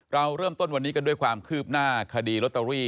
เราเริ่มต้นวันนี้กันด้วยความคืบหน้าคดีลอตเตอรี่